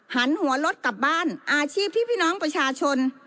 หันหัวรถกลับบ้านอาชีพที่พี่น้องประชาชน